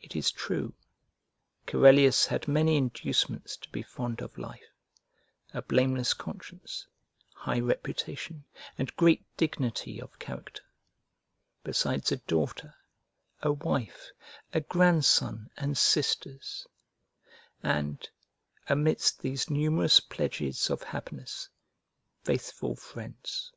It is true, Corellius had many inducements to be fond of life; a blameless conscience, high reputation, and great dignity of character, besides a daughter, a wife, a grandson, and sisters; and, amidst these numerous pledges of happiness, faithful friends.